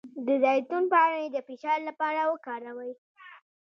د زیتون پاڼې د فشار لپاره وکاروئ